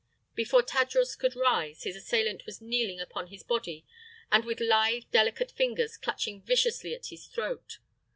Before Tadros could rise, his assailant was kneeling upon his body and with lithe, delicate fingers clutching viciously at his throat.